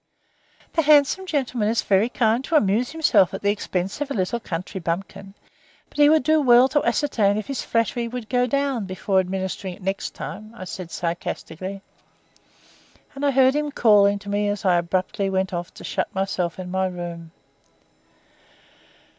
"The handsome gentleman is very kind to amuse himself at the expense of a little country bumpkin, but he would do well to ascertain if his flattery would go down before administering it next time," I said sarcastically, and I heard him calling to me as I abruptly went off to shut myself in my room.